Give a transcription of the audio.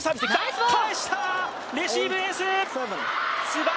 返した、レシーブエース！